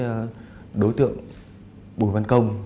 đối với đối tượng bùi văn công